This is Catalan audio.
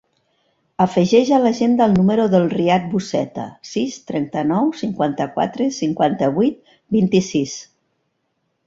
Afegeix a l'agenda el número del Riyad Buceta: sis, trenta-nou, cinquanta-quatre, cinquanta-vuit, vint-i-sis.